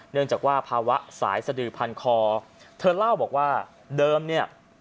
เนื่องจากว่าภาวะสายสดือพันคอเธอเล่าบอกว่าเดิมเนี่ย